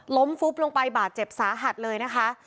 ฟุบลงไปบาดเจ็บสาหัสเลยนะคะ